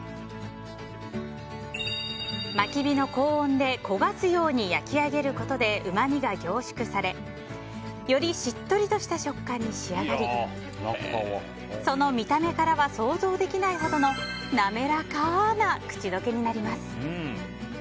薪火の高温で焦がすように焼き上げることでうまみが凝縮されよりしっとりとした食感に仕上がりその見た目からは想像できないほどの滑らかな口どけになります。